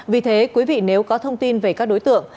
vì thế quý vị nếu có thông tin về các đối tượng